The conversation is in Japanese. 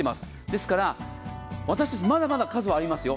ですから私たち、まだまだ数はありますよ。